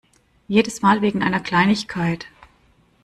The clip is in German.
Jedes Mal wegen einer Kleinigkeit.